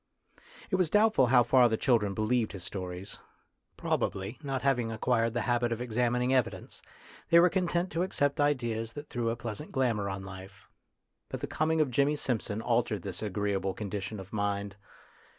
It was doubtful how far the children be lieved his stories ; probably, not having ac quired the habit of examining evidence, they were content to accept ideas that threw a pleasant glamour on life. But the coming of Jimmy Simpson altered this agreeable con dition of mind.